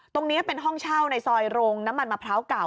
ตรงนี้เป็นห้องเช่าในซอยโรงน้ำมันมะพร้าวเก่า